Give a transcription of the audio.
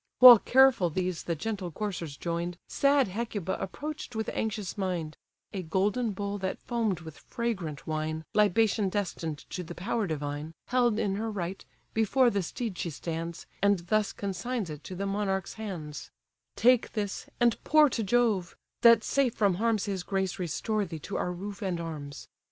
While careful these the gentle coursers join'd, Sad Hecuba approach'd with anxious mind; A golden bowl that foam'd with fragrant wine, (Libation destined to the power divine,) Held in her right, before the steed she stands, And thus consigns it to the monarch's hands: "Take this, and pour to Jove; that safe from harms His grace restore thee to our roof and arms.